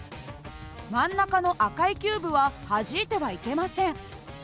真ん中の赤いキューブははじいてはいけません。